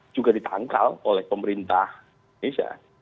juga ditangkal oleh pemerintah indonesia